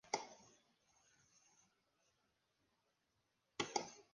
Este último aspecto se debe a la afinidad por los márgenes de caminos.